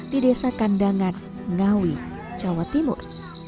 di desa kandangan ngawi jawa timur